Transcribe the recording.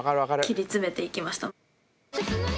切り詰めて行きました。